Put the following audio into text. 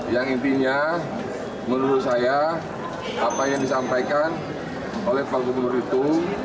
yang intinya menurut saya apa yang disampaikan oleh pak gubernur itu